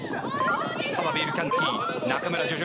澤部イルキャンティ中村叙々